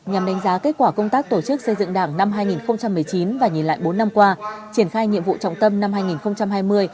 nhằm đánh giá kết quả công tác tổ chức xây dựng đảng năm hai nghìn một mươi chín và nhìn lại bốn năm qua triển khai nhiệm vụ trọng tâm năm hai nghìn hai mươi